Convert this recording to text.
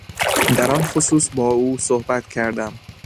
در آن خصوص با او صحبت کردم